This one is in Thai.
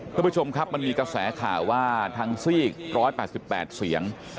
คุณผู้ชมครับมันมีกระแสข่าวว่าทางซีก๑๘๘เสียง